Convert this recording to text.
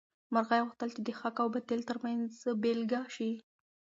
مرغۍ غوښتل چې د حق او باطل تر منځ بېلګه شي.